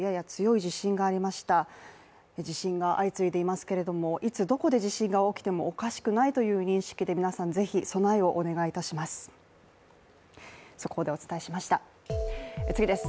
地震が相次いでいますけれどもいつどこで地震が起きてもおかしくないという認識で皆さん、ぜひ、備えをお願いいたします。